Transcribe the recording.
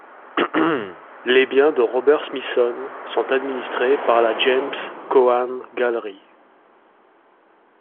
Les biens de Robert Smithson sont administrés par la James Cohan Gallery.